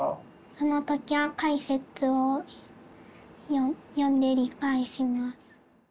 そのときは解説を読んで理解します。